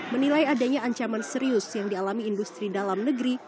menilai adanya ancaman serius yang dialami industri dalam negeri